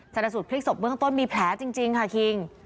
ชนะสูตรพลิกศพเบื้องต้นมีแผลจริงค่ะคิง